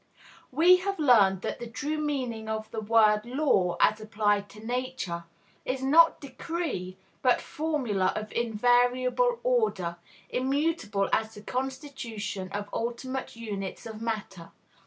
We have learned that the true meaning of the word law, as applied to Nature, is not decree, but formula of invariable order, immutable as the constitution of ultimate units of matter.